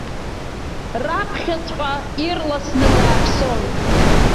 Раԥхьаҵәҟьа ирласны дааԥсон.